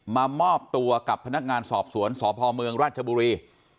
มามอบตัวกับพนักงานสอบสวนสพเมืองราชบุรี